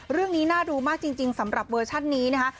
เรื่องนี้น่าดูมากจริงสำหรับเวอร์ชันนี้นะคะ